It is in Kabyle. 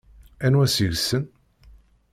Anwa seg-sen?